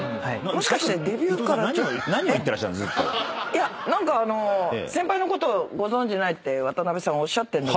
いや何かあの先輩のことご存じないって渡辺さんおっしゃってんだけど。